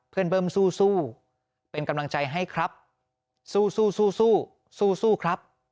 เบิ้มสู้เป็นกำลังใจให้ครับสู้สู้ครับ